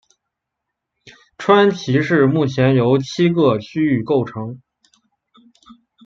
川崎市目前由七个区构成。